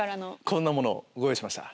こんなものをご用意しました。